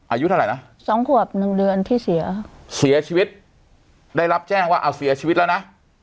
อายุเท่าไหร่นะสองขวบหนึ่งเดือนที่เสียเสียชีวิตได้รับแจ้งว่าเอาเสียชีวิตแล้วนะ